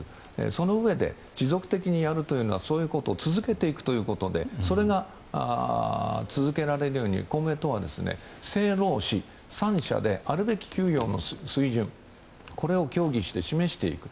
そのうえで持続的にやるということはそういうことを続けていくということでそれが続けられるように公明党は政労使３者であるべき給与の水準を協議して示していく。